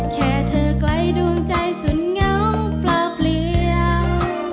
แค่เธอไกลดวงใจสุดเหงาเปล่าเปลี่ยว